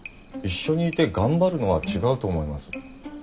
一緒にいて頑張るのは違うと思います。